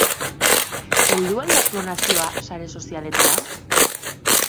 Heldu al da klonazioa sare sozialetara?